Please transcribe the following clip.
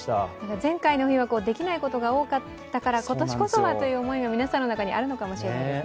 前回の冬はできないことが多かったから今年こそはという思いが皆さんの中にあるのかもしれませんね。